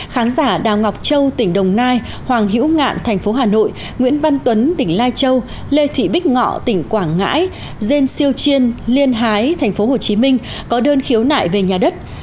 khán giả đào ngọc châu tỉnh đồng nai hoàng hữu ngạn tp hà nội nguyễn văn tuấn tỉnh lai châu lê thị bích ngọ tỉnh quảng ngãi dên siêu chiên liên hái tp hcm có đơn khiếu nại về nhà đất